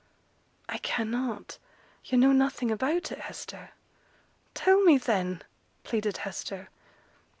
'I cannot; yo' know nothing about it, Hester.' 'Tell me, then,' pleaded Hester.